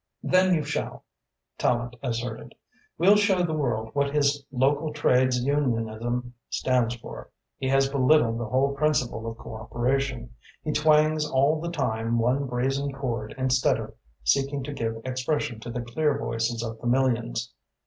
"Then you shall," Tallente asserted. "We'll show the world what his local trades unionism stands for. He has belittled the whole principle of cooperation. He twangs all the time one brazen chord instead of seeking to give expression to the clear voices of the millions.